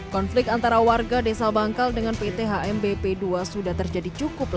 konflik antara warga desa bangkal dengan pt hmbp ii